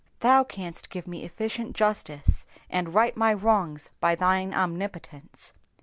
Thou canst give me efficient justice, and right my wrongs by thine omnipotence.